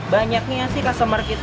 banyaknya sih customer kita